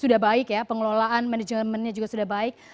sudah baik ya pengelolaan manajemennya juga sudah baik